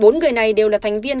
bốn người này đều là thành viên